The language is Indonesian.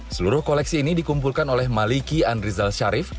seluruh koleksi ini dikumpulkan oleh maliki andrizal sharif